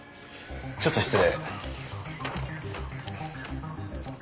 ちょっと失礼。